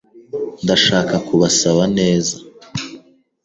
Ndashaka kubasaba neza.